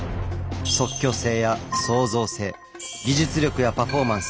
即興性や創造性技術力やパフォーマンス。